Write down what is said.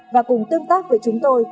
và cùng tương tác với chúng tôi